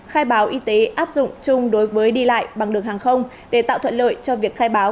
khai báo y tế áp dụng chung đối với đi lại bằng đường hàng không để tạo thuận lợi cho việc khai báo